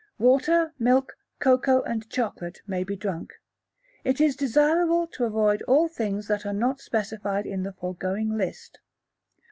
Water, milk, cocoa, and chocolate may be drunk. It is desirable to avoid all things that are not specified in the foregoing list.